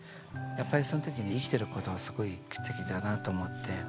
やっぱりそのときに生きてることはすごい奇跡だなと思って。